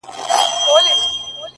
په شاعرۍ کي رياضت غواړمه ـ